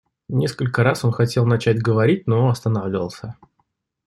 Несколько раз он хотел начать говорить, но останавливался.